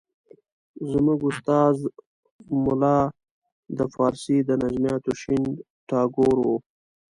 زموږ استاد ملا د فارسي د نظمیاتو شین ټاګور وو.